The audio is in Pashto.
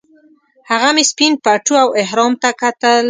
هغه مې سپین پټو او احرام ته کتل.